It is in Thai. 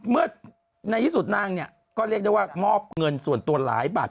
ในที่สุดนางเนี่ยก็เรียกได้ว่ามอบเงินส่วนตัวหลายบาท